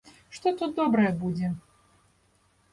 Што тут добрае будзе?